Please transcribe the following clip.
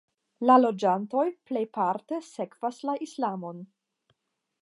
La loĝantoj plejparte sekvas la Islamon.